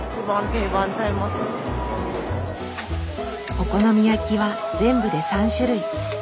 お好み焼きは全部で３種類。